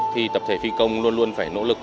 thì tập thể phi công luôn luôn phải nỗ lực